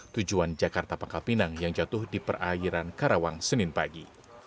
tujuan jakarta pangkal pinang yang jatuh di perairan karawang senin pagi